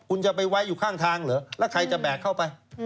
คุณจะไปไว้อยู่ข้างทางเหรอแล้วใครจะแบกเข้าไป